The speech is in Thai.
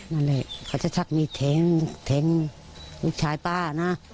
นั่นแหละเขาจะชักมีดแทงลูกชายป้านะ